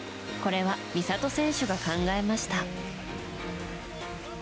これは美里選手が考えました。